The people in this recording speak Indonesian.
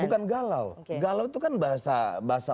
bukan galau galau itu kan bahasa